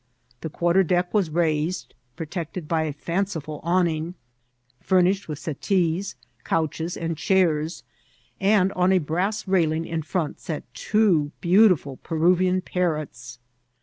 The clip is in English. The quarter deck was raised, protected by a fanciful awning, furnished with settees, couches, and chairs, and on a brass railing in front sat two beautiful Peruvian parrots.